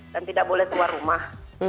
dan tidak boleh keluar rumah